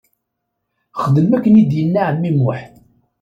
Xdem akken i d-yenna ɛemmi Muḥ.